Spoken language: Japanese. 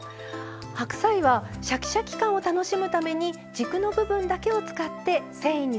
白菜はシャキシャキ感を楽しむために軸の部分だけを使って繊維に沿って切ります。